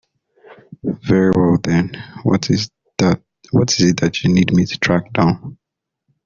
Very well then, what is it that you need me to track down?